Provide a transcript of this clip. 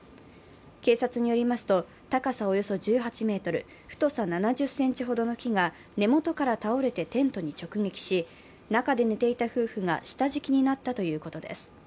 警察によりますと、高さおよそ１８ｍ、太さ７０ｃｍほどの木が根元から倒れてテントに直撃し中で寝ていた夫婦が下敷きになったということです。